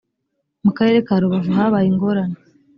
mu karere ka rubavu habaye ingorane